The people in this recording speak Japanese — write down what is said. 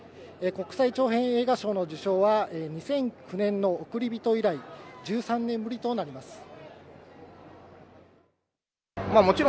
国際長編映画賞の受賞は２００９年の『おくりびと』以来、１３年ぶりとなります。